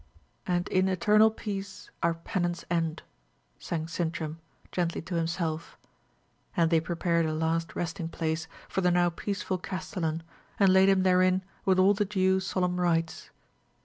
"And in eternal peace our penance end!" sang Sintram, gently to himself: and they prepared a last resting place for the now peaceful castellan, and laid him therein with all the due solemn rites.